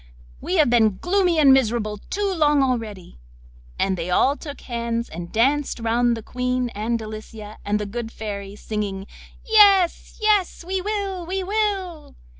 we have been gloomy and miserable too long already.' And they all took hands and danced round the Queen, and Delicia, and the good Fairy, singing: 'Yes, yes; we will, we will!